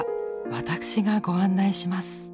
私がご案内します。